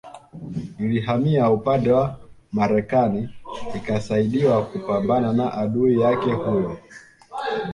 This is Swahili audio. Ilihamia upande wa Marekani ikasaidiwa kupambana na adui yake huyo